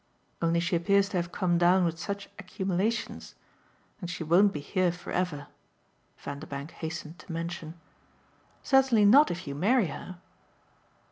Only she appears to have come down with such accumulations. And she won't be here for ever," Vanderbank hastened to mention. "Certainly not if you marry her."